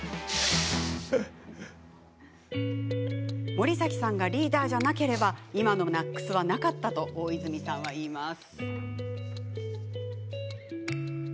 森崎さんがリーダーじゃなければ今のナックスはなかったと大泉さんは言います。